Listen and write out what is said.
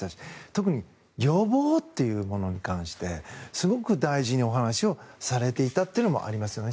特に予防というものに関してすごく大事にお話をされていたのもありましたね。